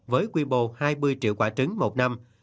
với quy bồ hai mươi triệu quả trứng một năm